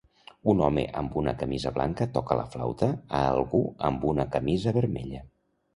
Un home amb una camisa blanca toca la flauta a algú amb una camisa vermella.